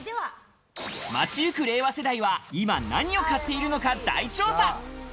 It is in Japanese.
街行く令和世代は今何を買っているのか大調査。